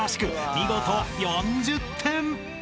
見事４０点］